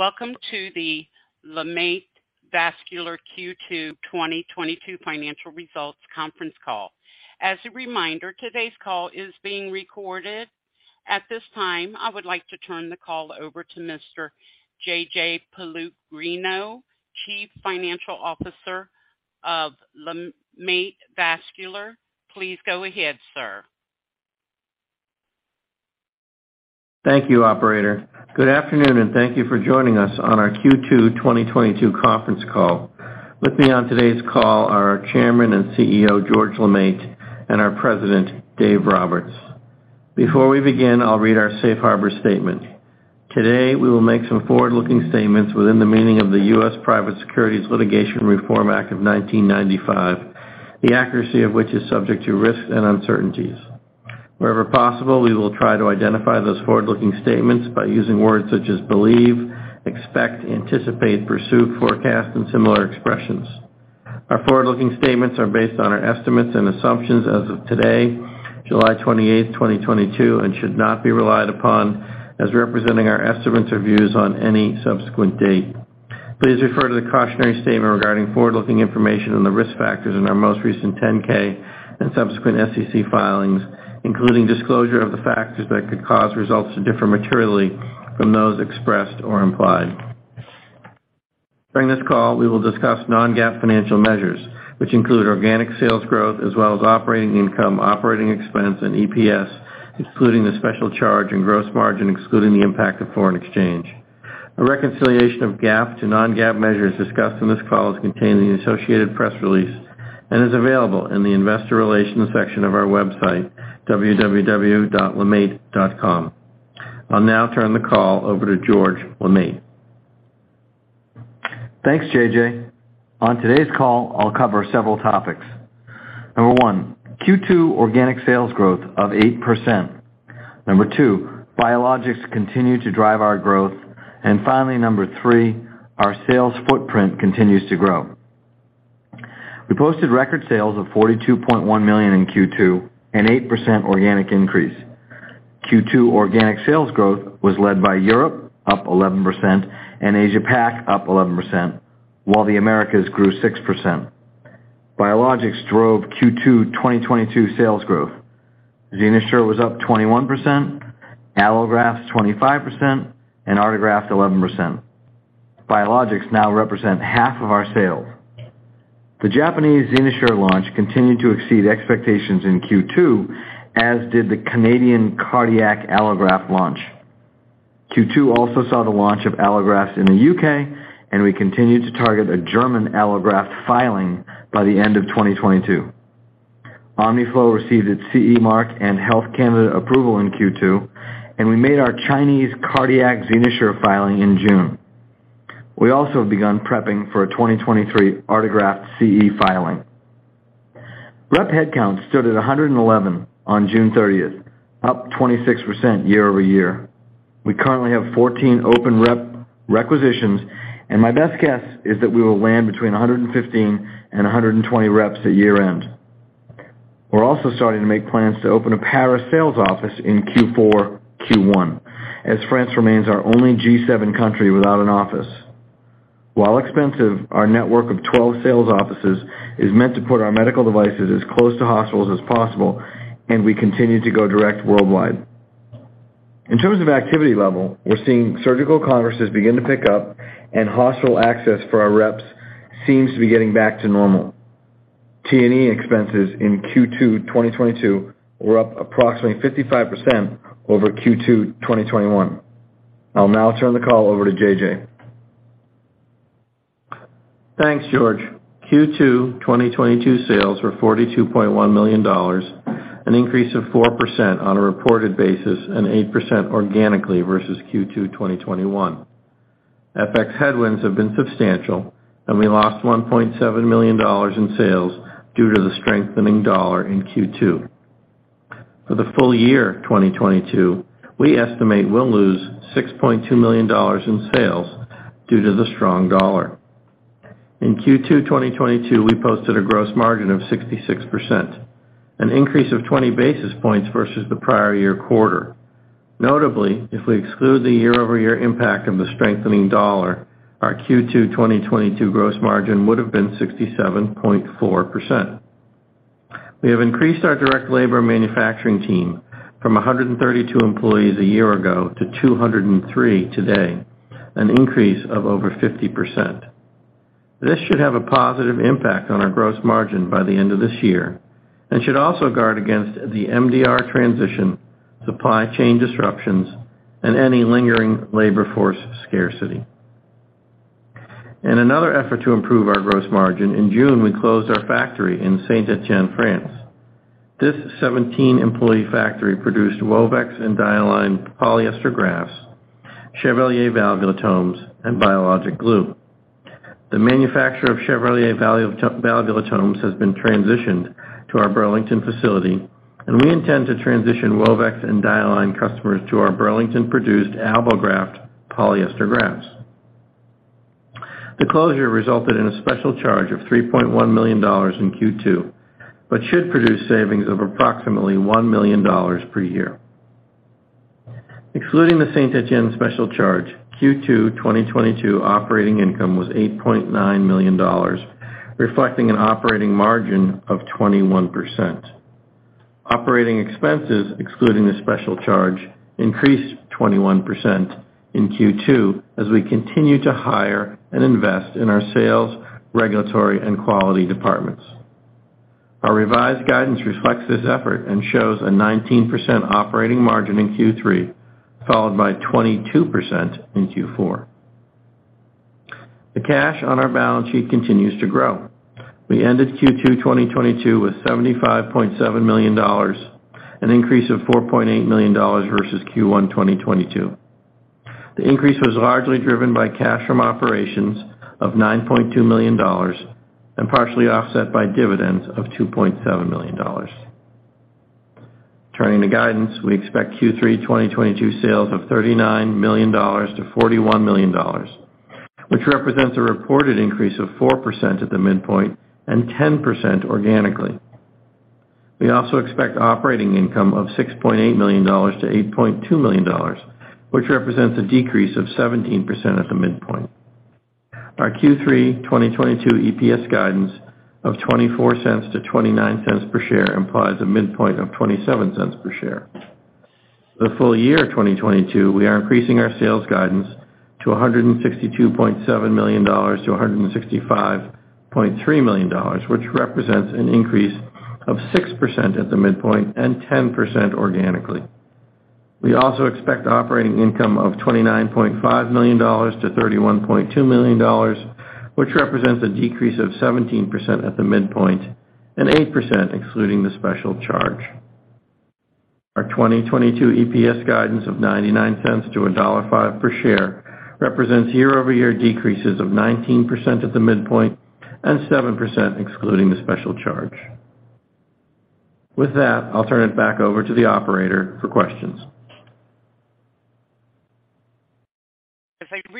Welcome to the LeMaitre Vascular Q2 2022 Financial Results Conference Call. As a reminder, today's call is being recorded. At this time, I would like to turn the call over to Mr. J.J. Pellegrino, Chief Financial Officer of LeMaitre Vascular. Please go ahead, sir. Thank you, operator. Good afternoon, and thank you for joining us on our Q2 2022 Conference Call. With me on today's call are our Chairman and CEO, George LeMaitre, and our President, Dave Roberts. Before we begin, I'll read our safe harbor statement. Today, we will make some forward-looking statements within the meaning of the U.S. Private Securities Litigation Reform Act of 1995, the accuracy of which is subject to risks and uncertainties. Wherever possible, we will try to identify those forward-looking statements by using words such as believe, expect, anticipate, pursue, forecast, and similar expressions. Our forward-looking statements are based on our estimates and assumptions as of today, July 28, 2022, and should not be relied upon as representing our estimates or views on any subsequent date. Please refer to the cautionary statement regarding forward-looking information and the risk factors in our most recent 10-K and subsequent SEC filings, including disclosure of the factors that could cause results to differ materially from those expressed or implied. During this call, we will discuss non-GAAP financial measures, which include organic sales growth as well as operating income, operating expense, and EPS, excluding the special charge and gross margin, excluding the impact of foreign exchange. A reconciliation of GAAP to non-GAAP measures discussed in this call is contained in the associated press release and is available in the investor relations section of our website, www.lemaitre.com. I'll now turn the call over to George LeMaitre. Thanks, JJ. On today's call, I'll cover several topics. Number one, Q2 organic sales growth of 8%. Number two, Biologics continue to drive our growth. Finally, number three, our sales footprint continues to grow. We posted record sales of $42.1 million in Q2, an 8% organic increase. Q2 organic sales growth was led by Europe, up 11%, and Asia PAC, up 11%, while the Americas grew 6%. Biologics drove Q2 2022 sales growth. XenoSure was up 21%, Allografts 25%, and Artegraft 11%. Biologics now represent half of our sales. The Japanese XenoSure launch continued to exceed expectations in Q2, as did the Canadian cardiac allograft launch. Q2 also saw the launch of Allografts in the U.K., and we continued to target a German Allograft filing by the end of 2022. Omniflow received its CE mark and Health Canada approval in Q2, and we made our Chinese cardiac XenoSure filing in June. We also have begun prepping for a 2023 Artegraft CE filing. Rep headcount stood at 111 on June thirtieth, up 26% year-over-year. We currently have 14 open rep requisitions, and my best guess is that we will land between 115 and 120 reps at year-end. We're also starting to make plans to open a Paris sales office in Q4, Q1, as France remains our only G7 country without an office. While expensive, our network of 12 sales offices is meant to put our medical devices as close to hospitals as possible, and we continue to go direct worldwide. In terms of activity level, we're seeing surgical conferences begin to pick up and hospital access for our reps seems to be getting back to normal. T&E expenses in Q2 2022 were up approximately 55% over Q2 2021. I'll now turn the call over to JJ. Thanks, George. Q2 2022 sales were $42.1 million, an increase of 4% on a reported basis and 8% organically versus Q2 2021. FX headwinds have been substantial and we lost $1.7 million in sales due to the strengthening dollar in Q2. For the full year 2022, we estimate we'll lose $6.2 million in sales due to the strong dollar. In Q2 2022, we posted a gross margin of 66%, an increase of 20 basis points versus the prior year quarter. Notably, if we exclude the year-over-year impact of the strengthening dollar, our Q2 2022 gross margin would have been 67.4%. We have increased our direct labor manufacturing team from 132 employees a year ago to 203 today, an increase of over 50%. This should have a positive impact on our gross margin by the end of this year, and should also guard against the MDR transition, supply chain disruptions, and any lingering labor force scarcity. In another effort to improve our gross margin, in June, we closed our factory in Saint-Étienne, France. This 17-employee factory produced Wovex and Dialine polyester grafts, Chevalier valvulotomes, and biologic glue. The manufacturer of Chevalier valvulotomes has been transitioned to our Burlington facility, and we intend to transition Wovex and Dialine customers to our Burlington-produced AlboGraft polyester grafts. The closure resulted in a special charge of $3.1 million in Q2, but should produce savings of approximately $1 million per year. Excluding the Saint-Étienne special charge, Q2 2022 operating income was $8.9 million, reflecting an operating margin of 21%. Operating expenses, excluding the special charge, increased 21% in Q2 as we continue to hire and invest in our sales, regulatory, and quality departments. Our revised guidance reflects this effort and shows a 19% operating margin in Q3, followed by 22% in Q4. The cash on our balance sheet continues to grow. We ended Q2 2022 with $75.7 million, an increase of $4.8 million versus Q1 2022. The increase was largely driven by cash from operations of $9.2 million and partially offset by dividends of $2.7 million. Turning to guidance, we expect Q3 2022 sales of $39 million-$41 million, which represents a reported increase of 4% at the midpoint and 10% organically. We also expect operating income of $6.8 million-$8.2 million, which represents a decrease of 17% at the midpoint. Our Q3 2022 EPS guidance of $0.24-$0.29 per share implies a midpoint of $0.27 per share. The full year 2022, we are increasing our sales guidance to $162.7 million-$165.3 million, which represents an increase of 6% at the midpoint and 10% organically. We also expect operating income of $29.5 million-$31.2 million, which represents a decrease of 17% at the midpoint and 8% excluding the special charge. Our 2022 EPS guidance of $0.99-$1.05 per share represents year-over-year decreases of 19% at the midpoint and 7% excluding the special charge. With that, I'll turn it back over to the operator for questions.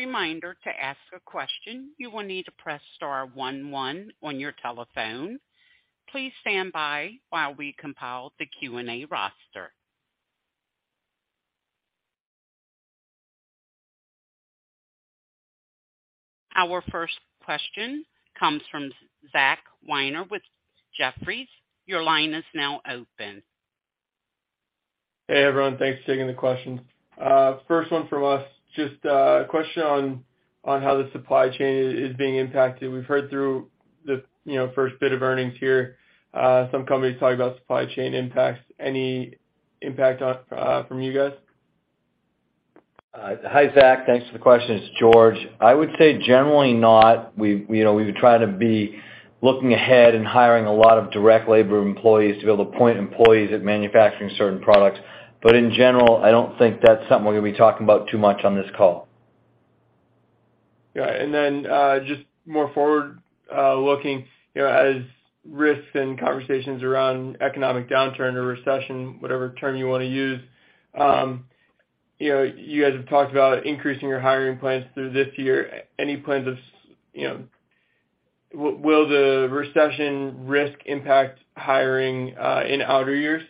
As a reminder, to ask a question, you will need to press star one one on your telephone. Please stand by while we compile the Q&A roster. Our first question comes from Zach Weiner with Jefferies. Your line is now open. Hey, everyone. Thanks for taking the questions. First one from us, just a question on how the supply chain is being impacted. We've heard through the, you know, first bit of earnings here, some companies talk about supply chain impacts. Any impact on from you guys? Hi, Zach, thanks for the question. It's George. I would say generally not. We, you know, we've been trying to be looking ahead and hiring a lot of direct labor employees to be able to point employees at manufacturing certain products. In general, I don't think that's something we're gonna be talking about too much on this call. Yeah. Just more forward looking, you know, as risks and conversations around economic downturn or recession, whatever term you wanna use, you know, you guys have talked about increasing your hiring plans through this year. Any plans of, you know. Will the recession risk impact hiring in outer years?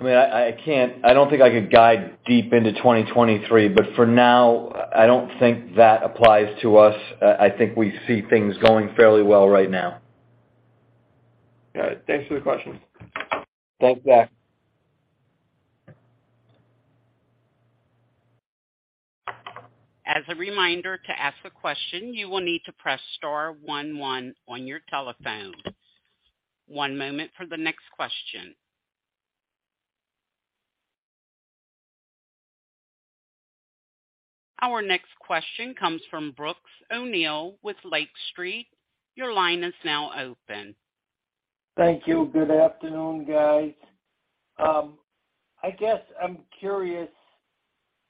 I mean, I can't, I don't think I could guide deep into 2023, but for now, I don't think that applies to us. I think we see things going fairly well right now. All right. Thanks for the questions. Thanks, Zach. As a reminder, to ask a question, you will need to press star one one on your telephones. One moment for the next question. Our next question comes from Brooks O'Neil with Lake Street. Your line is now open. Thank you. Good afternoon, guys. I guess I'm curious,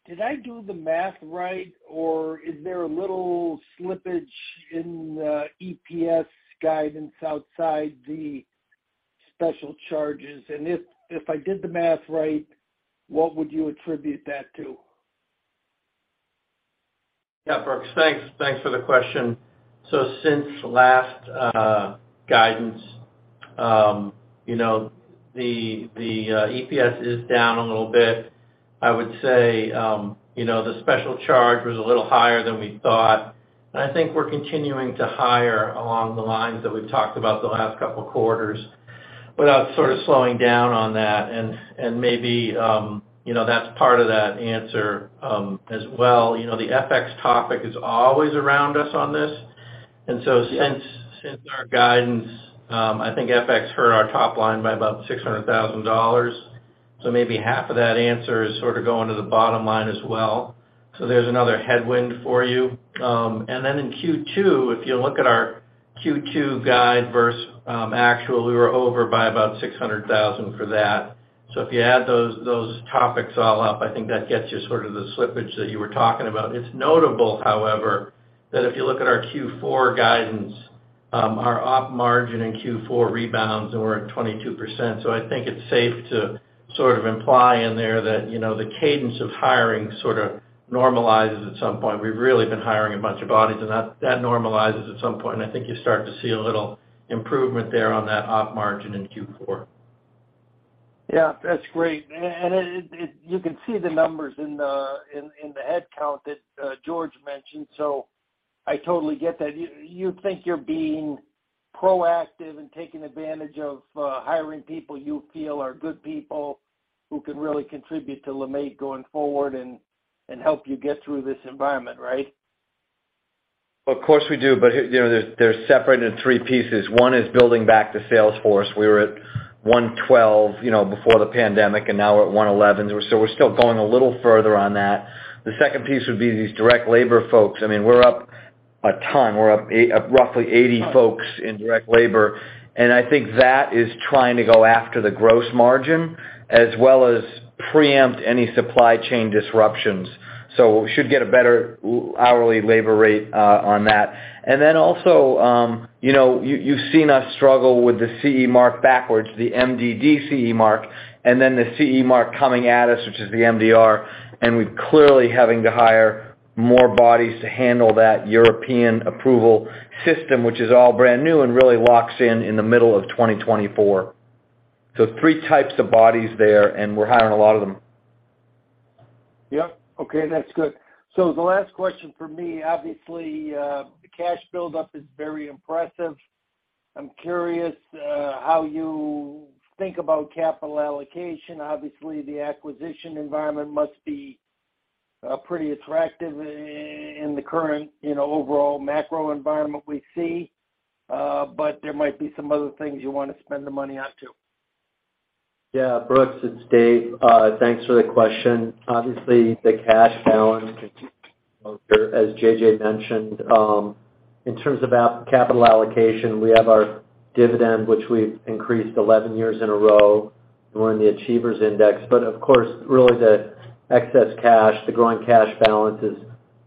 did I do the math right or is there a little slippage in EPS guidance outside the special charges? If I did the math right, what would you attribute that to? Yeah, Brooks, thanks. Thanks for the question. Since last guidance, you know, the EPS is down a little bit. I would say, you know, the special charge was a little higher than we thought. I think we're continuing to hire along the lines that we've talked about the last couple of quarters without sort of slowing down on that. Maybe, you know, that's part of that answer, as well. You know, the FX topic is always around us on this. Since our guidance, I think FX hurt our top line by about $600,000. Maybe half of that answer is sort of going to the bottom line as well. There's another headwind for you. In Q2, if you look at our Q2 guide versus actual, we were over by about $600,000 for that. If you add those topics all up, I think that gets you sort of the slippage that you were talking about. It's notable, however, that if you look at our Q4 guidance. Our operating margin in Q4 rebounds and we're at 22%. I think it's safe to sort of imply in there that, you know, the cadence of hiring sort of normalizes at some point. We've really been hiring a bunch of bodies, and that normalizes at some point. I think you start to see a little improvement there on that operating margin in Q4. Yeah, that's great. You can see the numbers in the headcount that George mentioned, so I totally get that. You think you're being proactive and taking advantage of hiring people you feel are good people who can really contribute to LeMaitre going forward and help you get through this environment, right? Of course we do, but, you know, they're separated in three pieces. One is building back the sales force. We were at 112, you know, before the pandemic, and now we're at 111. So we're still going a little further on that. The second piece would be these direct labor folks. I mean, we're up a ton. We're up roughly 80 folks in direct labor. And I think that is trying to go after the gross margin as well as preempt any supply chain disruptions. So we should get a better hourly labor rate on that. you know, you've seen us struggle with the CE mark backwards, the MDD CE mark, and then the CE mark coming at us, which is the MDR, and we're clearly having to hire more bodies to handle that European approval system, which is all brand new and really locks in in the middle of 2024. three types of bodies there, and we're hiring a lot of them. Yep. Okay, that's good. The last question for me, obviously, the cash build up is very impressive. I'm curious how you think about capital allocation? Obviously, the acquisition environment must be pretty attractive in the current, you know, overall macro environment we see. There might be some other things you want to spend the money on too. Yeah, Brooks, it's Dave. Thanks for the question. Obviously, the cash balance as JJ mentioned. In terms of capital allocation, we have our dividend, which we've increased 11 years in a row. We're in the Dividend Achievers Index. Of course, really the excess cash, the growing cash balance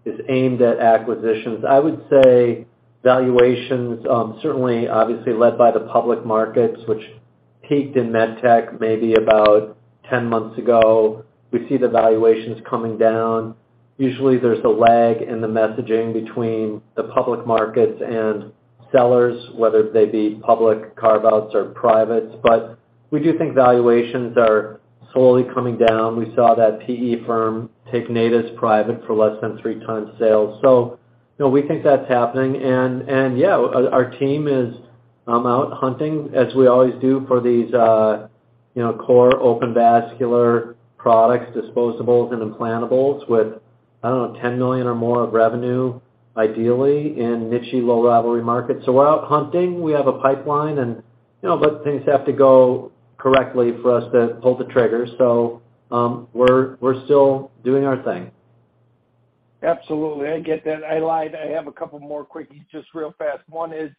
is aimed at acquisitions. I would say valuations, certainly obviously led by the public markets, which peaked in MedTech maybe about 10 months ago. We see the valuations coming down. Usually, there's a lag in the messaging between the public markets and sellers, whether they be public carve-outs or privates. We do think valuations are slowly coming down. We saw that PE firm take Natus private for less than 3 times sales. You know, we think that's happening. Yeah, our team is out hunting, as we always do for these, you know, core open vascular products, disposables and implantables with, I don't know, $10 million or more of revenue, ideally in niche-y low rivalry markets. We're out hunting, we have a pipeline and, you know, but things have to go correctly for us to pull the trigger. We're still doing our thing. Absolutely. I get that. I lied. I have a couple more quickies, just real fast. One is,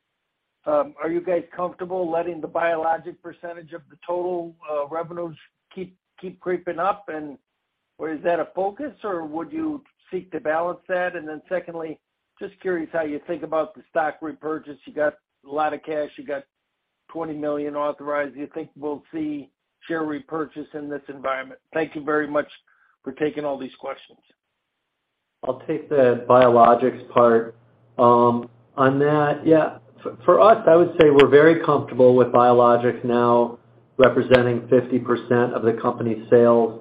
are you guys comfortable letting the Biologic percentage of the total revenues keep creeping up? Or is that a focus, or would you seek to balance that? Secondly, just curious how you think about the stock repurchase. You got a lot of cash, you got $20 million authorized. Do you think we'll see share repurchase in this environment? Thank you very much for taking all these questions. I'll take the Biologics Patch. On that, yeah, for us, I would say we're very comfortable with Biologics now representing 50% of the company's sales.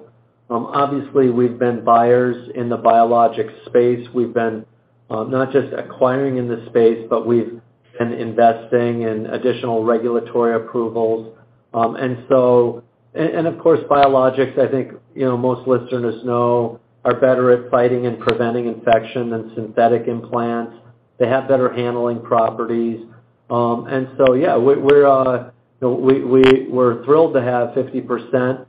Obviously, we've been buyers in the Biologics space. We've been not just acquiring in this space, but we've been investing in additional regulatory approvals. Of course, Biologics, I think, you know, most listeners know, are better at fighting and preventing infection than synthetic implants. They have better handling properties. Yeah, you know, we're thrilled to have 50%.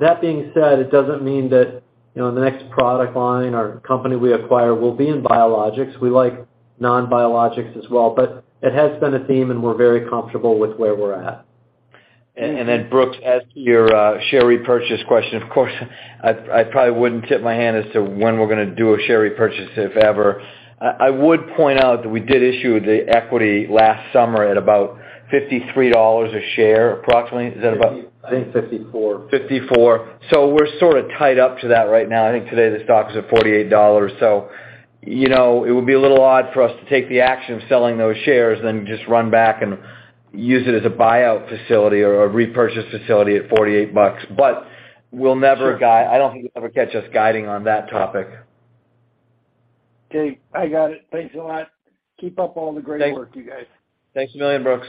That being said, it doesn't mean that, you know, the next product line or company we acquire will be in Biologics. We like non-Biologics as well, but it has been a theme and we're very comfortable with where we're at. Brooks, as to your share repurchase question, of course, I probably wouldn't tip my hand as to when we're gonna do a share repurchase, if ever. I would point out that we did issue the equity last summer at about $53 a share, approximately. Is that about- I think 54. $54. We're sort of tied up to that right now. I think today the stock is at $48. You know, it would be a little odd for us to take the action of selling those shares then just run back and use it as a buyout facility or a repurchase facility at $48. We'll never. I don't think you'll ever catch us guiding on that topic. Okay, I got it. Thanks a lot. Keep up all the great work, you guys. Thanks a million, Brooks.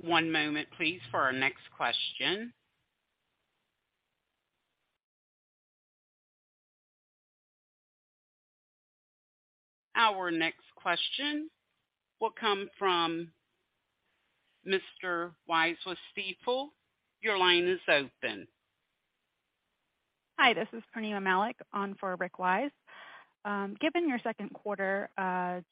One moment, please, for our next question. Our next question will come from Mr. Wise with Stifel. Your line is open. Hi, this is Prerana Malik on for Rick Wise. Given your second quarter,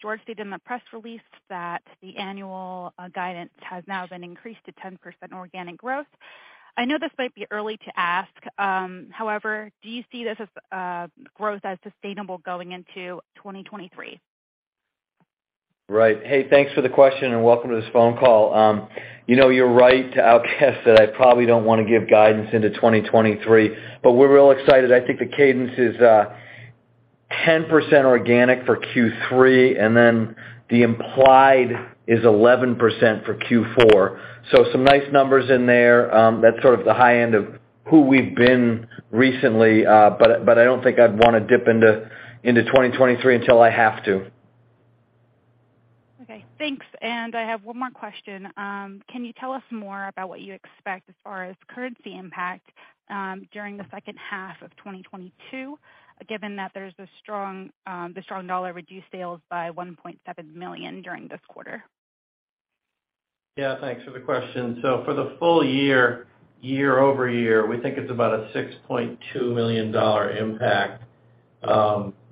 George stated in the press release that the annual guidance has now been increased to 10% organic growth. I know this might be early to ask, however, do you see this growth as sustainable going into 2023? Right. Hey, thanks for the question, and welcome to this phone call. You know, you're right to outguess that I probably don't wanna give guidance into 2023, but we're real excited. I think the cadence is 10% organic for Q3, and then the implied is 11% for Q4. So some nice numbers in there. That's sort of the high end of who we've been recently, but I don't think I'd wanna dip into 2023 until I have to. Okay, thanks. I have one more question. Can you tell us more about what you expect as far as currency impact during the second half of 2022, given that the strong dollar reduced sales by $1.7 million during this quarter? Yeah, thanks for the question. For the full year-over-year, we think it's about a $6.2 million impact.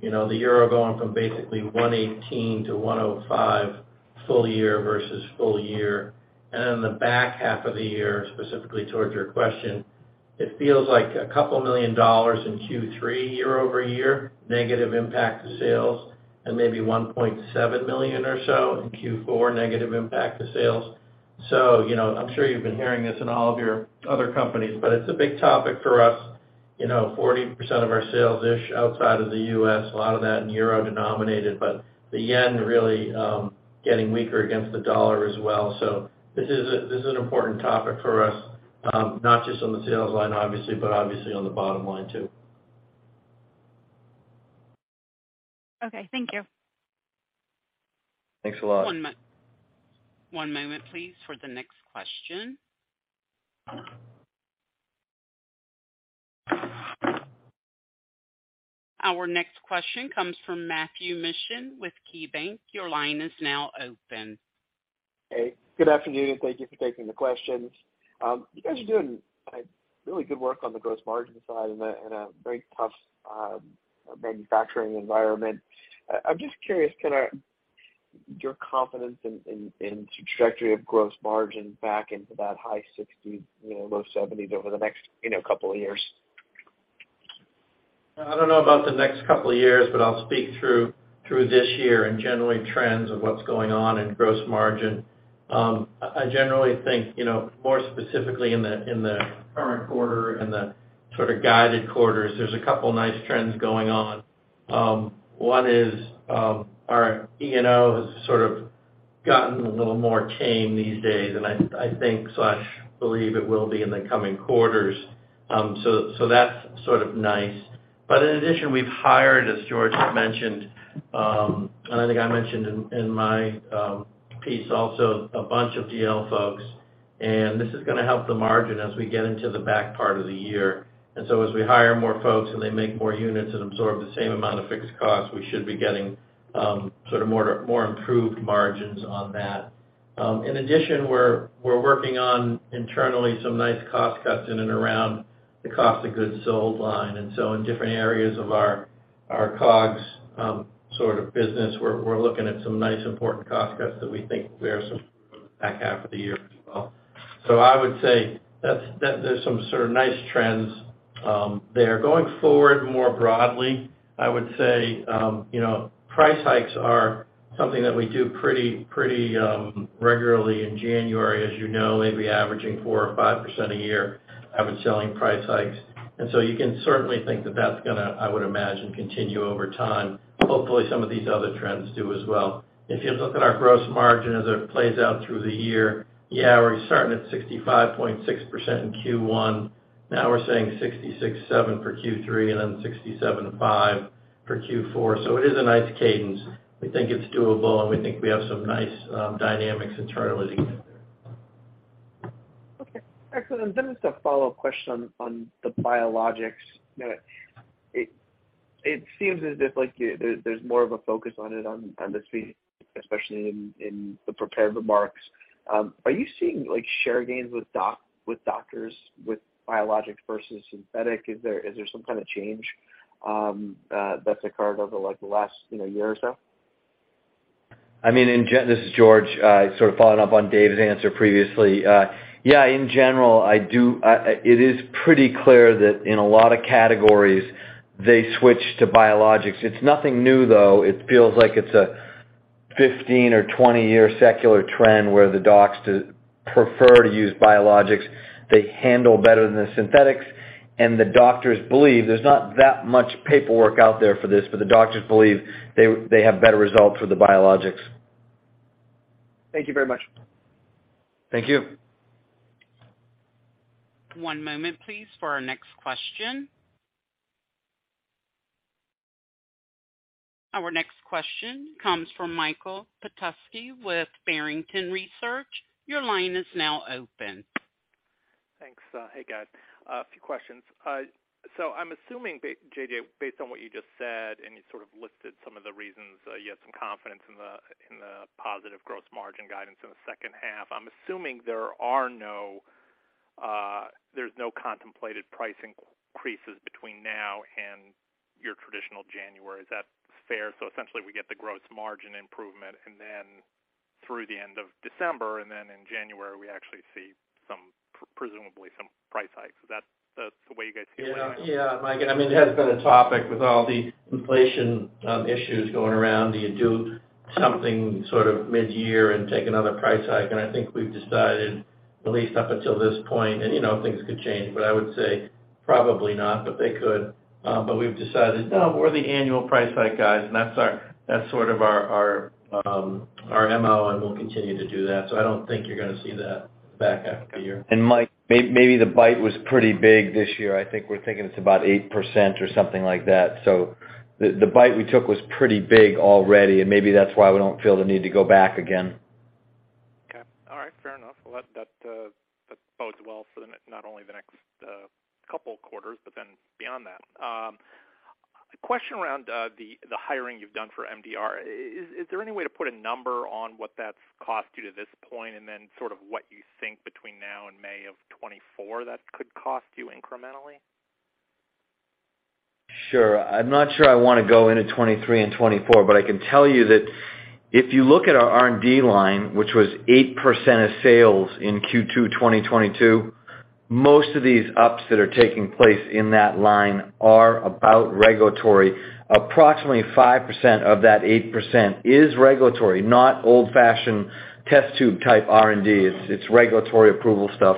You know, the euro going from basically 1.18 to 1.05, full year versus full year. The back half of the year, specifically towards your question, it feels like a couple million dollars in Q3 year-over-year, negative impact to sales, and maybe $1.7 million or so in Q4, negative impact to sales. You know, I'm sure you've been hearing this in all of your other companies, but it's a big topic for us. You know, 40% of our sales-ish outside of the U.S., a lot of that in euro-denominated, but the yen really getting weaker against the dollar as well. This is an important topic for us, not just on the sales line, obviously, but obviously on the bottom line too. Okay, thank you. Thanks a lot. One moment, please, for the next question. Our next question comes from Matthew Mishan with KeyBanc. Your line is now open. Hey, good afternoon, and thank you for taking the questions. You guys are doing really good work on the gross margin side in a very tough manufacturing environment. I'm just curious, kinda your confidence in trajectory of gross margin back into that high 60s%, you know, low 70s% over the next, you know, couple of years. I don't know about the next couple of years, but I'll speak through this year and generally trends of what's going on in gross margin. I generally think, you know, more specifically in the current quarter and the sort of guided quarters, there's a couple nice trends going on. One is our E&O has sort of gotten a little more tame these days, and I think slash believe it will be in the coming quarters. So that's sort of nice. In addition, we've hired, as George mentioned, and I think I mentioned in my piece also, a bunch of DL folks, and this is gonna help the margin as we get into the back part of the year. As we hire more folks and they make more units and absorb the same amount of fixed costs, we should be getting sort of more improved margins on that. In addition, we're working on internally some nice cost cuts in and around the cost of goods sold line. In different areas of our COGS business, we're looking at some nice important cost cuts that we think bear some fruit back half of the year as well. I would say that's some sort of nice trends there. Going forward, more broadly, I would say you know, price hikes are something that we do pretty regularly in January, as you know, maybe averaging 4% or 5% a year, having selling price hikes. You can certainly think that that's gonna, I would imagine, continue over time. Hopefully, some of these other trends do as well. If you look at our gross margin as it plays out through the year, yeah, we're starting at 65.6% in Q1. Now we're saying 66.7 for Q3 and then 67.5 for Q4. It is a nice cadence. We think it's doable, and we think we have some nice, dynamics internally to get there. Okay. Excellent. Just a follow up question on the Biologics. You know, it seems as if like there's more of a focus on it on this meeting, especially in the prepared remarks. Are you seeing, like, share gains with doctors with biologics versus synthetic? Is there some kind of change that's occurred over, like, the last, you know, year or so? I mean, this is George, sort of following up on Dave's answer previously. Yeah, in general, it is pretty clear that in a lot of categories, they switch to Biologics. It's nothing new, though. It feels like it's a 15- or 20-year secular trend where the docs prefer to use biologics. They handle better than the synthetics, and the doctors believe there's not that much paperwork out there for this, but the doctors believe they have better results with the biologics. Thank you very much. Thank you. One moment, please, for our next question. Our next question comes from Michael Petusky with Barrington Research. Your line is now open. Thanks. Hey, guys. A few questions. I'm assuming JJ, based on what you just said, and you sort of listed some of the reasons, you have some confidence in the positive gross margin guidance in the second half. I'm assuming there's no contemplated price increases between now and your traditional January. Is that fair? Essentially, we get the gross margin improvement, and then Through the end of December, and then in January, we actually see some, presumably, some price hikes. Is that the way you guys see it going? Yeah, yeah, Mike. I mean, it has been a topic with all the inflation issues going around. Do you do something sort of midyear and take another price hike? I think we've decided, at least up until this point, and, you know, things could change, but I would say probably not, but they could. But we've decided, no, we're the annual price hike guys, and that's our. That's sort of our MO, and we'll continue to do that. I don't think you're gonna see that back half of the year. Mike, maybe the bite was pretty big this year. I think we're thinking it's about 8% or something like that. The bite we took was pretty big already, and maybe that's why we don't feel the need to go back again. Okay. All right. Fair enough. Well, that bodes well for the, not only the next couple quarters but then beyond that. A question around the hiring you've done for MDR. Is there any way to put a number on what that's cost you to this point, and then sort of what you think between now and May of 2024 that could cost you incrementally? I'm not sure I wanna go into 2023 and 2024, but I can tell you that if you look at our R&D line, which was 8% of sales in Q2 2022, most of these ups that are taking place in that line are about regulatory. Approximately 5% of that 8% is regulatory, not old-fashioned test tube type R&D. It's, it's regulatory approval stuff.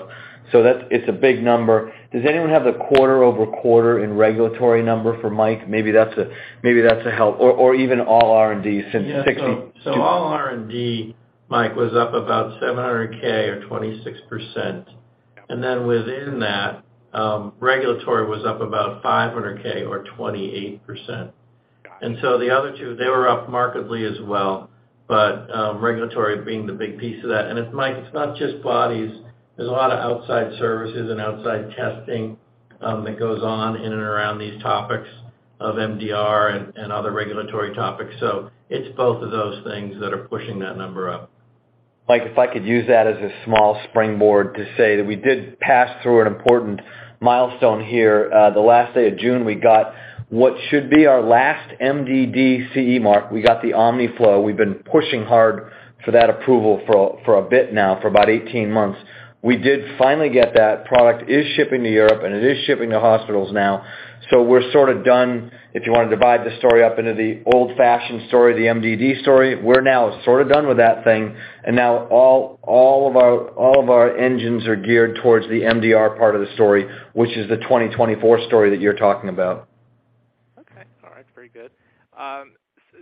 That's, it's a big number. Does anyone have the quarter-over-quarter in regulatory number for Mike? Maybe that's a help. Or even all R&D since 60- All R&D, Mike, was up about $700K or 26%. Within that, regulatory was up about $500K or 28%. Got it. The other two, they were up markedly as well, but regulatory being the big piece of that. It's, Mike, it's not just bodies. There's a lot of outside services and outside testing that goes on in and around these topics of MDR and other regulatory topics. It's both of those things that are pushing that number up. Mike, if I could use that as a small springboard to say that we did pass through an important milestone here. The last day of June, we got what should be our last MDD CE mark. We got the Omniflow. We've been pushing hard for that approval for a bit now, for about 18 months. We did finally get that. Product is shipping to Europe, and it is shipping to hospitals now. We're sort of done, if you wanna divide the story up into the old-fashioned story, the MDD story, we're now sort of done with that thing. Now all of our engines are geared towards the MDR part of the story, which is the 2024 story that you're talking about. Okay. All right. Very good.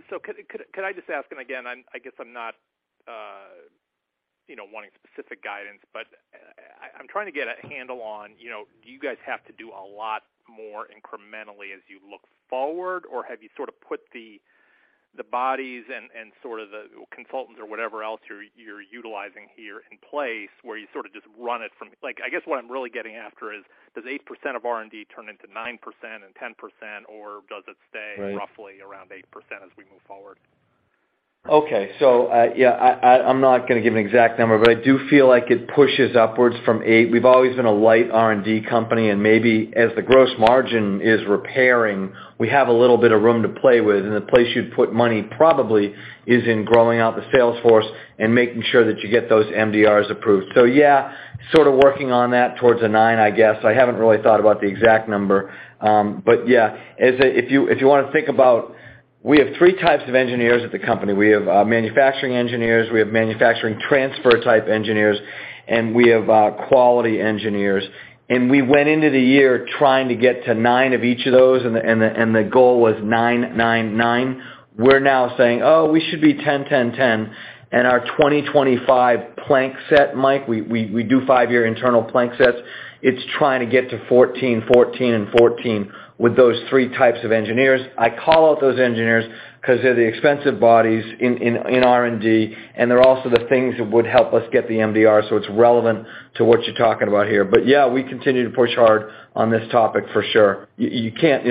Could I just ask, and again, I'm, I guess I'm not, you know, wanting specific guidance, but I'm trying to get a handle on, you know, do you guys have to do a lot more incrementally as you look forward, or have you sort of put the bodies and sort of the consultants or whatever else you're utilizing here in place where you sort of just run it from. Like, I guess what I'm really getting after is, does 8% of R&D turn into 9% and 10%, or does it stay- Right Roughly around 8% as we move forward? Okay. Yeah, I'm not gonna give an exact number, but I do feel like it pushes upwards from 8%. We've always been a light R&D company, and maybe as the gross margin is repairing, we have a little bit of room to play with, and the place you'd put money probably is in growing out the sales force and making sure that you get those MDRs approved. Yeah, sort of working on that towards a 9%, I guess. I haven't really thought about the exact number. But yeah, if you wanna think about, we have three types of engineers at the company. We have manufacturing engineers, we have manufacturing transfer-type engineers, and we have quality engineers. We went into the year trying to get to 9 of each of those, and the goal was 9, 9. We're now saying, "Oh, we should be 10, 10." Our 2025 plan set, Mike, we do five-year internal plan sets, it's trying to get to 14, and 14 with those three types of engineers. I call out those engineers 'cause they're the expensive bodies in R&D, and they're also the things that would help us get the MDR, so it's relevant to what you're talking about here. Yeah, we continue to push hard on this topic for sure. You can't.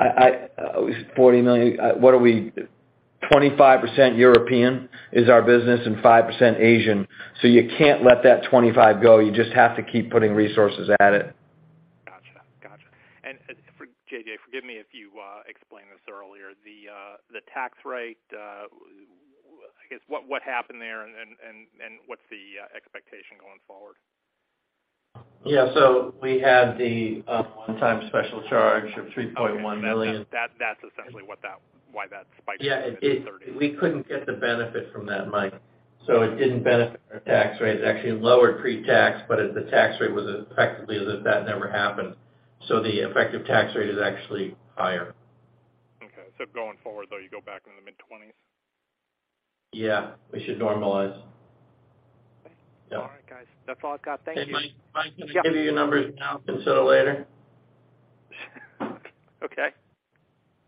I, $40 million, what are we? 25% European is our business and 5% Asian, so you can't let that 25 go. You just have to keep putting resources at it. Got you. For J.J, forgive me if you explained this earlier. The tax rate, I guess what happened there and what's the expectation going forward? Yeah. We had the one-time special charge of $3.1 million. Okay. That's essentially why that spiked. Yeah. We couldn't get the benefit from that, Mike. It didn't benefit our tax rates. It actually lowered pre-tax, but the tax rate was effectively as if that never happened. The effective tax rate is actually higher. Okay. Going forward though, you go back into the mid-20s? Yeah. We should normalize. Okay. Yeah. All right, guys. That's all I've got. Thank you. Hey, Mike. Yep. Can I give you your numbers now instead of later? Okay.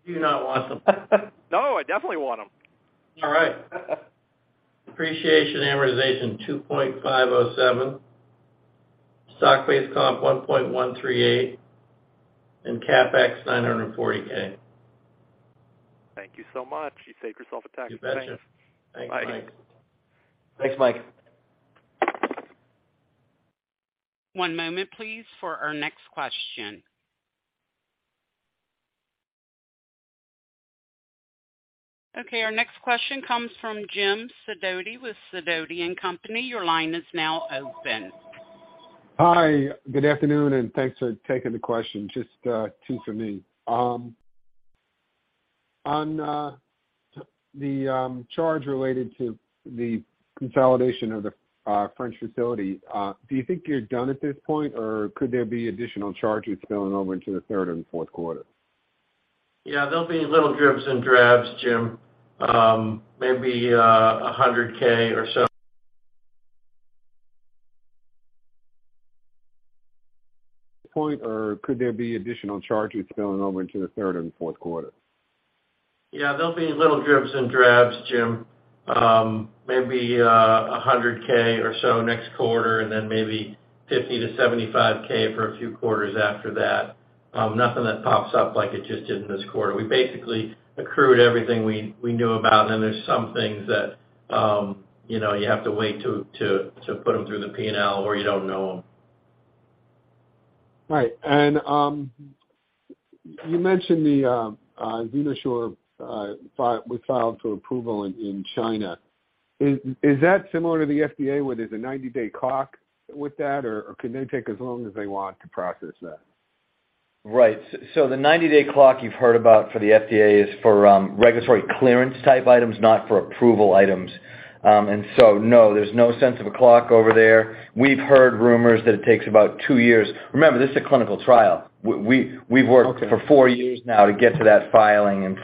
Do you not want them? No, I definitely want them. All right. Depreciation and amortization, $2.507. Stock-based comp, $1.138. CapEx, $940K. Thank you so much. You saved yourself a tax preparer. You bet. Thanks, Mike. Bye. Thanks, Mike. One moment, please, for our next question. Okay, our next question comes from James Sidoti with Sidoti & Company. Your line is now open. Hi, good afternoon, and thanks for taking the question. Just, two from me. On the charge related to the consolidation of the French facility, do you think you're done at this point, or could there be additional charges going over into the third and fourth quarter? Yeah, there'll be little dribs and drabs, Jim. Maybe $100K or so. Point, or could there be additional charges going over into the third and fourth quarter? Yeah, there'll be little dribs and drabs, Jim. Maybe $100K or so next quarter, and then maybe $50K-$75K for a few quarters after that. Nothing that pops up like it just did in this quarter. We basically accrued everything we knew about, and then there's some things that you know, you have to wait to put them through the P&L or you don't know them. Right. You mentioned the XenoSure we filed for approval in China. Is that similar to the FDA, where there's a 90-day clock with that, or can they take as long as they want to process that? Right. So the 90-day clock you've heard about for the FDA is for regulatory clearance type items, not for approval items. No, there's no sense of a clock over there. We've heard rumors that it takes about 2 years. Remember, this is a clinical trial. We've worked for 4 years now to get to that filing.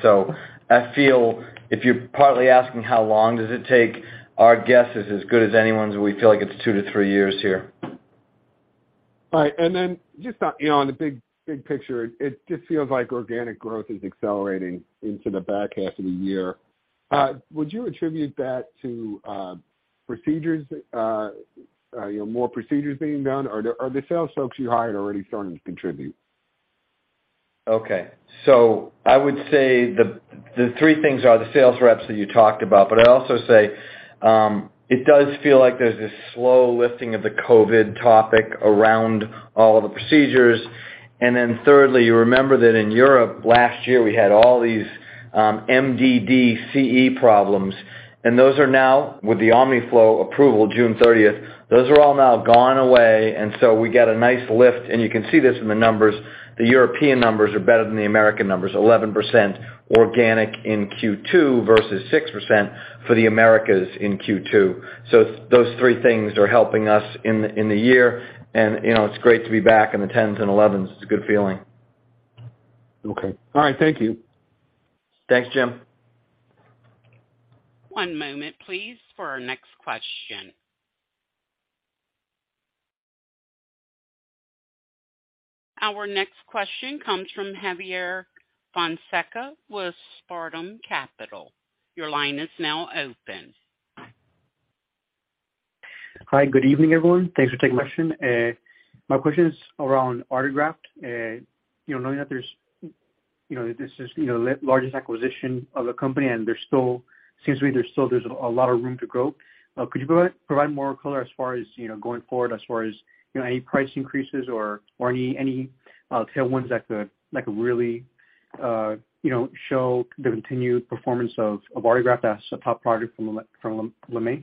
I feel if you're partly asking how long does it take, our guess is as good as anyone's, we feel like it's 2-3 years here. All right. Then just, you know, on the big, big picture, it just feels like organic growth is accelerating into the back half of the year. Would you attribute that to, procedures, you know, more procedures being done, or are the sales folks you hired already starting to contribute? Okay. I would say the three things are the sales reps that you talked about, but I'd also say it does feel like there's this slow lifting of the COVID topic around all of the procedures. Thirdly, you remember that in Europe last year, we had all these MDD problems, and those are now with the Omniflow approval, June thirtieth, those are all now gone away, and so we get a nice lift. You can see this in the numbers. The European numbers are better than the American numbers, 11% organic in Q2 versus 6% for the Americas in Q2. Those three things are helping us in the year. You know, it's great to be back in the tens and elevens. It's a good feeling. Okay. All right. Thank you. Thanks, Jim. One moment, please, for our next question. Our next question comes from Javier Fonseca with Spartan Capital. Your line is now open. Hi, good evening, everyone. Thanks for taking my question. My question is around Artegraft. You know, knowing that this is the largest acquisition of the company, and it seems to me there's still a lot of room to grow. Could you provide more color as far as going forward, any price increases or any tailwinds that could like really show the continued performance of Artegraft as a top product from LeMaitre?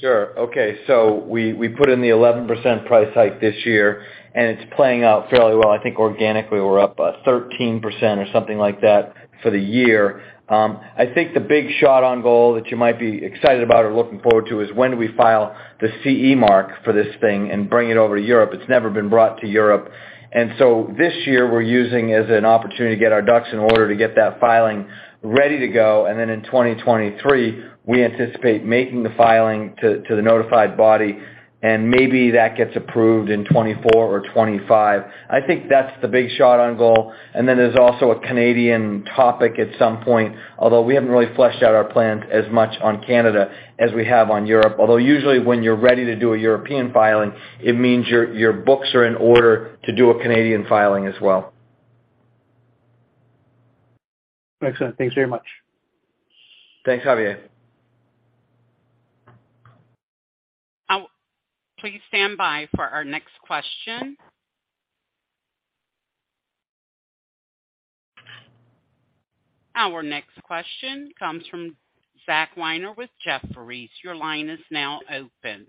Sure. Okay. We put in the 11% price hike this year, and it's playing out fairly well. I think organically, we're up 13% or something like that for the year. I think the big shot on goal that you might be excited about or looking forward to is when do we file the CE mark for this thing and bring it over to Europe. It's never been brought to Europe. This year we're using as an opportunity to get our ducks in order to get that filing ready to go. In 2023, we anticipate making the filing to the notified body, and maybe that gets approved in 2024 or 2025. I think that's the big shot on goal. There's also a Canadian topic at some point, although we haven't really fleshed out our plans as much on Canada as we have on Europe. Although usually when you're ready to do a European filing, it means your books are in order to do a Canadian filing as well. Excellent. Thanks very much. Thanks, Javier. Please stand by for our next question. Our next question comes from Zach Weiner with Jefferies. Your line is now open.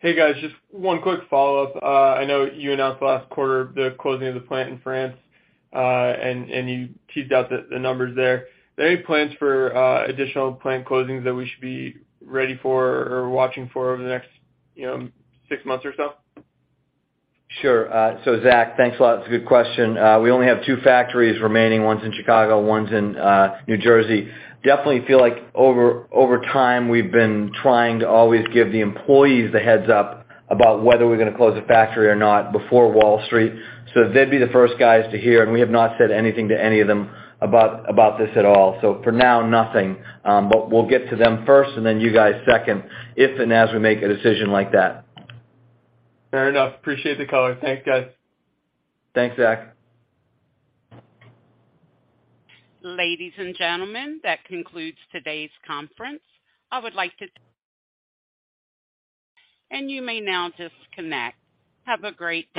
Hey, guys, just one quick follow up. I know you announced last quarter the closing of the plant in France, and you teased out the numbers there. Any plans for additional plant closings that we should be ready for or watching for over the next, you know, six months or so? Sure. Zach, thanks a lot. It's a good question. We only have two factories remaining, one's in Chicago, one's in New Jersey. Definitely feel like over time, we've been trying to always give the employees the heads-up about whether we're gonna close a factory or not before Wall Street. They'd be the first guys to hear, and we have not said anything to any of them about this at all. For now, nothing. We'll get to them first and then you guys second if and as we make a decision like that. Fair enough. Appreciate the color. Thanks, guys. Thanks, Zach. Ladies and gentlemen, that concludes today's conference. You may now disconnect. Have a great day.